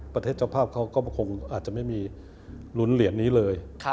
เจ้าภาพเขาก็คงอาจจะไม่มีลุ้นเหรียญนี้เลย